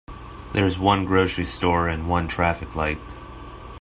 There is one grocery store and one traffic light.